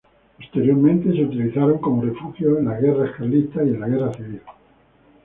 Posteriormente se utilizaron como refugio en las Guerras Carlistas y en la Guerra Civil.